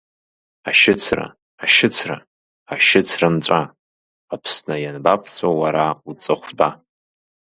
Ашьыцра, ашьыцра, ашьыцра нҵәа, Аԥсны ианбаԥҵәо уара уҵыхәтәа.